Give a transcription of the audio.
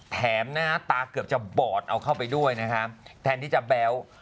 หน้าตาเกือบจะบอดเอาเข้าไปด้วยนะครับแทนที่จะแบ๊ว